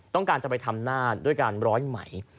ต้องการจะไปทำหน้าด้วยการร้อยไหม